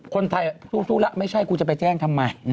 คนไทยสู้แล้วไม่ใช่กูจะไปแจ้งทำไม